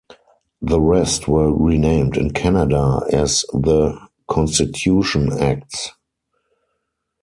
The rest were renamed in Canada as the "Constitution Acts".